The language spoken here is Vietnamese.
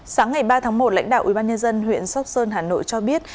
sáng ngày ba tháng một lãnh đạo ubnd huyện sóc sơn hà nội cho biết